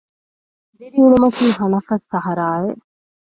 ދިރިއުޅުމަކީ ހަނަފަސް ސަހަރާއެއް